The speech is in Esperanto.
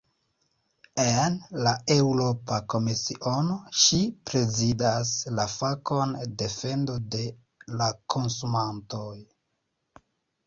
En la Eŭropa Komisiono, ŝi prezidas la fakon "defendo de la konsumantoj".